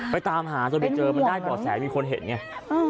ตามหาจนไปเจอมันได้บ่อแสมีคนเห็นไง